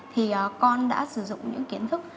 thì con đã sử dụng những kiến thức